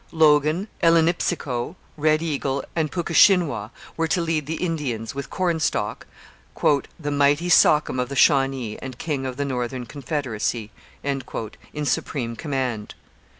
Logan, Elenipsico, Red Eagle, and Puckeshinwau were to lead the Indians, with Cornstalk, 'the mighty sachem of the Shawnee, and king of the northern confederacy,' in supreme command.